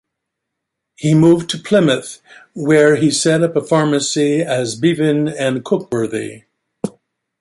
He moved to Plymouth, where he set up a pharmacy as Bevan and Cookworthy.